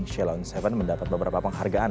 sheila on seven mendapat beberapa penghargaan